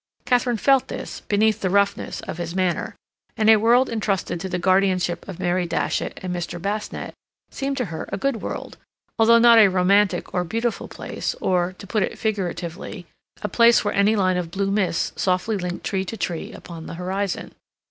Katharine felt this beneath the roughness of his manner; and a world entrusted to the guardianship of Mary Datchet and Mr. Basnett seemed to her a good world, although not a romantic or beautiful place or, to put it figuratively, a place where any line of blue mist softly linked tree to tree upon the horizon.